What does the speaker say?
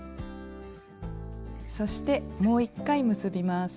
そしてもう１回結びます。